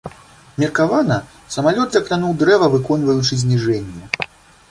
Меркавана, самалёт закрануў дрэва, выконваючы зніжэнне.